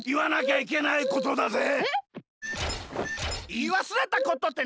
いいわすれたことってなんだ？